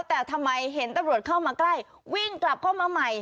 แต่ทำไมเห็นตำรวจเข้ามาใกล้วิ่งกลับเข้ามาใหม่